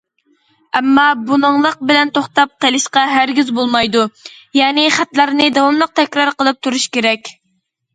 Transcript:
ئەمما، بۇنىڭلىق بىلەن توختاپ قېلىشقا ھەرگىز بولمايدۇ، يەنى خەتلەرنى داۋاملىق تەكرار قىلىپ تۇرۇش كېرەك.